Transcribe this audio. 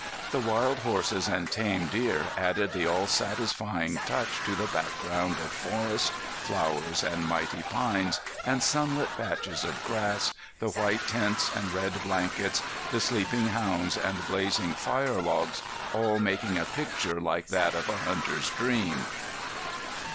The wild horses and tame deer added the all satisfying touch to the background of forest, flowers and mighty pines and sunlit patches of grass, the white tents and red blankets, the sleeping hounds and blazing fire logs all making a picture like that of a hunter's dream.